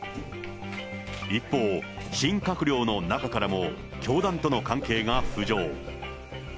一方、新閣僚の中からも、教団との関係が浮上。